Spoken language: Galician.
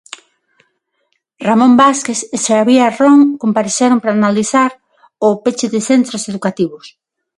Ramón Vázquez e Xabier Ron compareceron para analizar o peche de centros educativos.